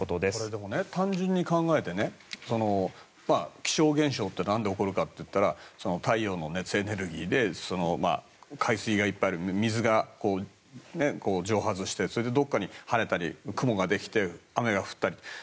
でも、単純に考えて気象現象ってなんで起こるかっていったら太陽の熱エネルギーで海水がいっぱいある水が蒸発してそれでどこかに晴れたり雲ができて雨が降ったり。